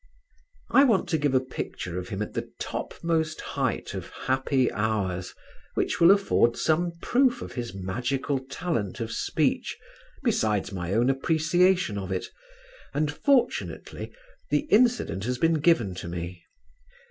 I want to give a picture of him at the topmost height of happy hours, which will afford some proof of his magical talent of speech besides my own appreciation of it, and, fortunately, the incident has been given to me.